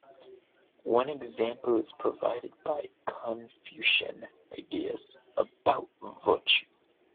One example is provided by Confucian ideas about virtue.